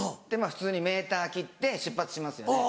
普通にメーター切って出発しますよね。